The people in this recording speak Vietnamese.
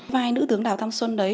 vai nữ tướng đào tam xuân